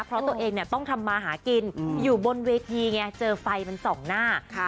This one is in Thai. เพราะตัวเองต้องทำมาหากินอยู่บนเวทีไงเจอไฟมันส่องหน้า